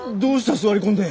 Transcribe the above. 座り込んで。